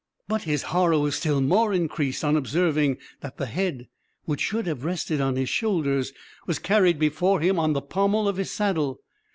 but his horror was still more increased, on observing that the head, which should have rested on his shoulders, was carried before him on the pommel of his saddle!